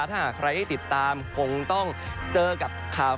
ถ้าใครได้ติดตามคงต้องเจอกับข่าวนี้